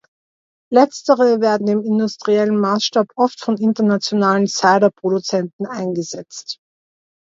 Letztere werden im industriellen Maßstab oft von internationalen Cider-Produzenten eingesetzt.